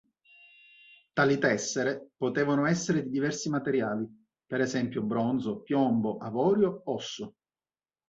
Tali tessere potevano essere di diversi materiali, per esempio bronzo, piombo, avorio, osso.